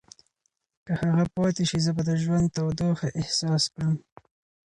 که هغه پاتې شي، زه به د ژوند تودوخه احساس کړم.